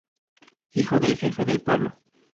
Hijo del jefe del pueblo.